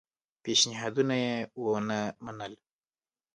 پېشنهادونه یې ونه منل.